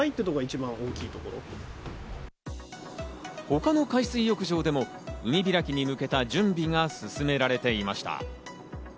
他の海水浴場でも、海開きに向けた準備が進められていました。